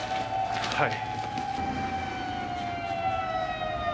はい。